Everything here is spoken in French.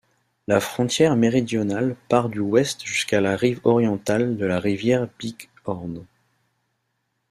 La frontière méridionale part du ouest jusqu'à la rive orientale de la rivière Bighorn.